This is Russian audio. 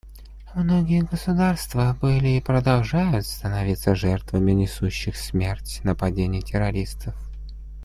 Многие государства были и продолжают становиться жертвами несущих смерть нападений террористов.